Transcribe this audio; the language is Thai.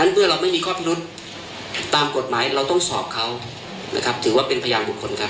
เพื่อเราแม่นข้อผิดลทตามกฎหมายเราต้องสอบเขาถือว่าเป็นพยาบุคคลครับ